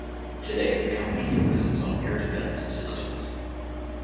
Today the company focuses on air defense systems.